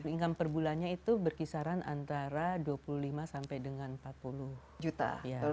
income per bulannya itu berkisaran antara dua puluh lima sampai dengan empat puluh juta